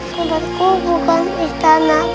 yunda bukan istana